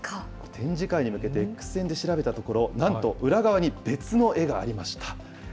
展示会に向けてＸ線で調べたところ、なんと裏側に別の絵がありました。